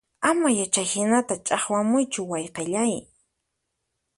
Ama ya chayhinata ch'aqwamuychu wayqillay